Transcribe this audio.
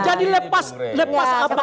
jadi lepas apa